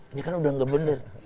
ini kan udah nggak bener